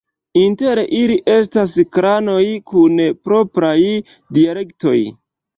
Inter ili estas klanoj kun propraj dialektoj.